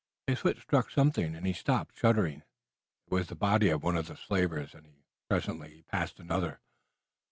His foot struck against something, and he stopped, shuddering. It was the body of one of the slavers and presently he passed another.